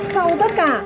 sau tất cả